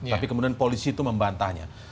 tapi kemudian polisi itu membantahnya